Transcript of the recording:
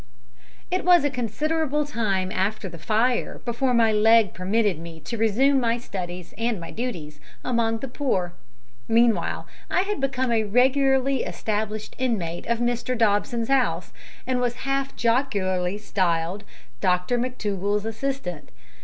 It was a considerable time after the fire before my leg permitted me to resume my studies and my duties among the poor. Meanwhile I had become a regularly established inmate of Mr Dobson's house, and was half jocularly styled "Dr McTougall's assistant."